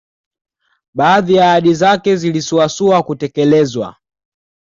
Baadhi ya ahadi zake zilisuasua kutekelezwa